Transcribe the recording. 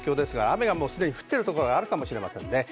雨が降ってるところがあるかもしれません。